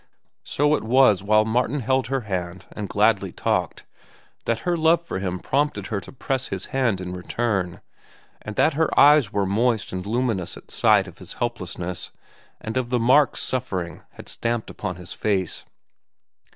So it was while Martin held her hand and gladly talked, that her love for him prompted her to press his hand in return, and that her eyes were moist and luminous at sight of his helplessness and of the marks suffering had stamped upon his face.